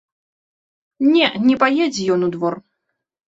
Не, не паедзе ён у двор.